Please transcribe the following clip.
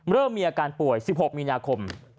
เริ่มมีอาการป่วย๑๖มีนาคม